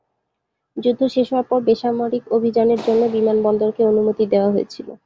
যুদ্ধ শেষ হওয়ার পর বেসামরিক অভিযানের জন্য বিমানবন্দরকে অনুমতি দেওয়া হয়েছিল।